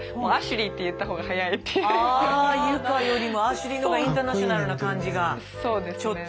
佑果よりもアシュリーの方がインターナショナルな感じがちょっと。